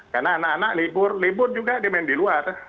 karena anak anak libur libur juga dia main di luar